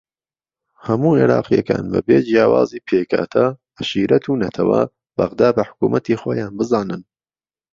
هەموو عێراقییەکان بەبێ جیاوازی پێکهاتە، عەشیرەت و نەتەوە بەغدا بە حکومەتی خۆیان بزانن.